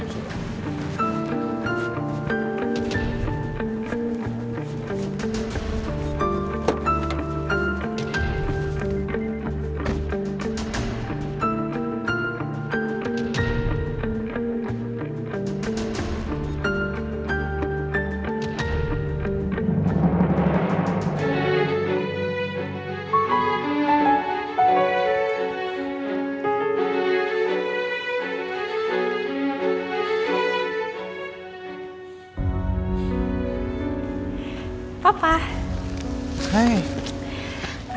minta kaget ya pak